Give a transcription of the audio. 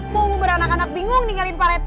mau beranak anak bingung ninggalin pak rt